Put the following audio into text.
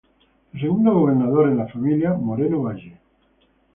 El segundo gobernador en la familia Moreno Valle.